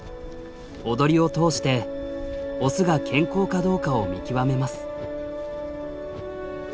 踊りを通してオスが健康かどうかを見極めます。